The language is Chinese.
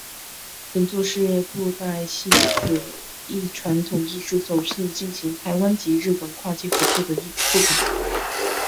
本作是布袋戏此一传统艺术首次进行台湾及日本跨界合作的作品。